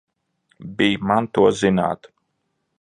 Bij man to zināt!